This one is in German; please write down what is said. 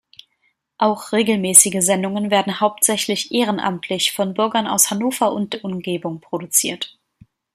Auch regelmäßige Sendungen werden hauptsächlich ehrenamtlich von Bürgern aus Hannover und Umgebung produziert.